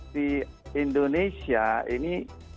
di indonesia ini